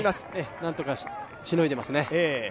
何とかしのいでますね。